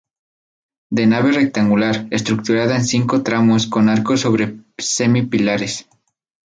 De nave rectangular, estructurada en cinco tramos con arcos sobre semi-pilares.